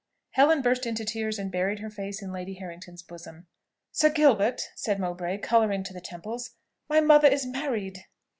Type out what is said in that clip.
Helen burst into tears and buried her face in Lady Harrington's bosom. "Sir Gilbert," said Mowbray, colouring to the temples, "my mother is married!"